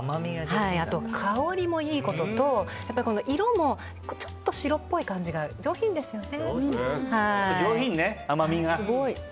あと、香りもいいことと色もちょっと白っぽい感じが上品ね、甘みが。